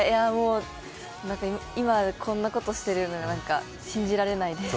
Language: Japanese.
今こんなことしているのが信じられないです。